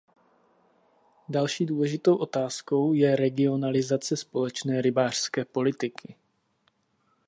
Další důležitou otázkou je regionalizace společné rybářské politiky.